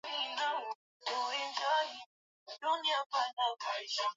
pombe iliongeza joto la mwili wake